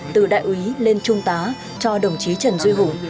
từ đại úy lên trung tá cho đồng chí trần duy hùng